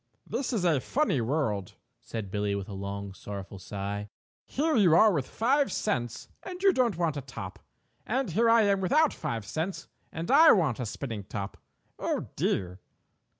"This is a funny world," said Billie with a long, sorrowful sigh. "Here you are with five cents and you don't want a top, and here I am without five cents and I do want a spinning top. Oh, dear!"